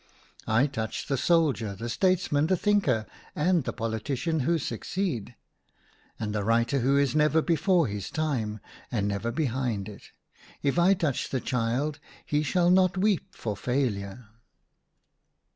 I touch the soldier, the states man, the thinker, and the politician who succeed ; and the writer who is never before his time, and never behind it. If A DREAM OF WILD BEES. 93 I touch the child he shall not weep for failure."